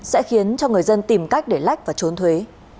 sẽ khiến cho người dân tìm cách để lách và trốn thuế